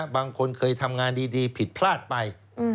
บางคนเคยทำงานดีผิดพลาดไป